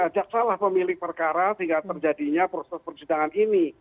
jaksalah pemilik perkara sehingga terjadinya proses persidangan ini